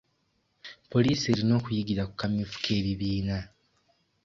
Poliisi erina okuyigira ku kamyufu k'ebibiina.